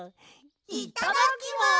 いただきます！